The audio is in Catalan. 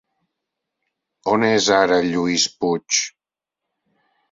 On és ara Lluís Puig?